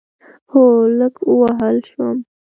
هو، لږ ووهل شوم